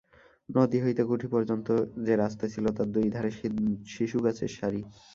নদী হইতে কুঠি পর্যন্ত যে রাস্তা ছিল তার দুই ধারে সিসুগাছের সারি।